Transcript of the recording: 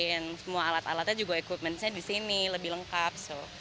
dan semua alat alatnya juga equipment nya di sini lebih lengkap